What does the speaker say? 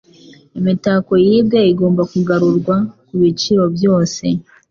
Imitako yibwe igomba kugarurwa kubiciro byose.